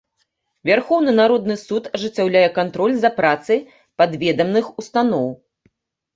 Вярхоўны народны суд ажыццяўляе кантроль за працай падведамных устаноў.